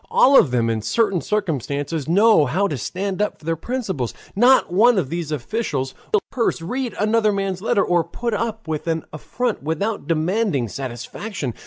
All of them in certain circumstances know how to stand up for their principles. Not one of these officials would steal a purse, read another man's letter, or put up with an affront without demanding satisfaction.